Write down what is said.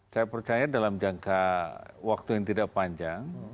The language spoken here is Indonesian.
saya percaya dalam jangka waktu yang tidak panjang